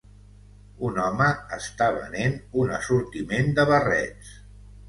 Un home està venent un assortiment de barrets.